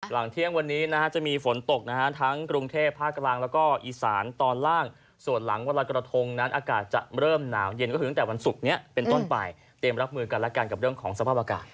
หลังเที่ยงวันนี้นะฮะจะมีฝนตกนะฮะทั้งกรุงเทพภาคกลางแล้วก็อีสานตอนล่างส่วนหลังวันละกระทงนั้นอากาศจะเริ่มหนาวเย็นก็คือตั้งแต่วันศุกร์นี้เป็นต้นไปเตรียมรับมือกันแล้วกันกับเรื่องของสภาพอากาศ